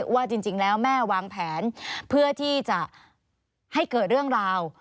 ว่าจริงแล้วแม่วางแผนเพื่อที่จะให้เกิดเรื่องราว